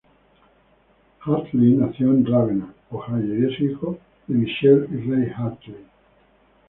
Hartley nació en Ravenna, Ohio, y es hijo de Michele y Rei Hartley.